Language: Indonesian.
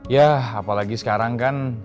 ya apalagi sekarang kan